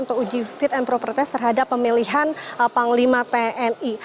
untuk uji fit and proper test terhadap pemilihan panglima tni